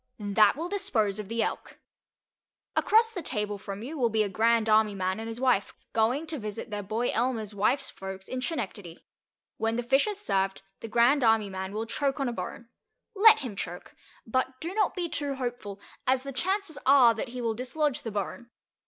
That will dispose of the Elk. Across the table from you will be a Grand Army man and his wife, going to visit their boy Elmer's wife's folks in Schenectady. When the fish is served, the Grand Army man will choke on a bone. Let him choke, but do not be too hopeful, as the chances are that he will dislodge the bone.